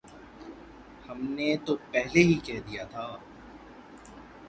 ہم نے تو پہلے ہی کہہ دیا تھا۔